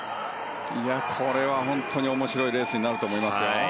これは本当に面白いレースになると思いますよ。